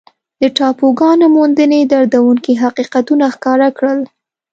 د ټاپوګانو موندنې دردونکي حقیقتونه ښکاره کړل.